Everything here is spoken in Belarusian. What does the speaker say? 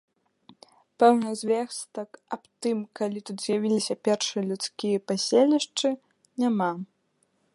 Пэўных звестак аб тым, калі тут з'явіліся першыя людскія паселішчы, няма.